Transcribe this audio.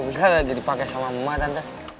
mobilnya lagi dipake sama emak tante